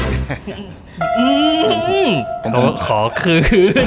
อื้อหือหือขอคืน